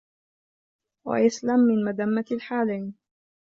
وَيَسْلَمَ مِنْ مَذَمَّةِ الْحَالَيْنِ